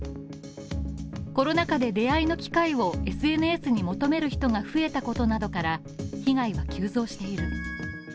コロナ禍で出会いの機会をＳＮＳに求める人が増えたことなどから、被害は急増している。